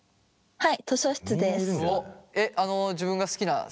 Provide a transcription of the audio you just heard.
はい。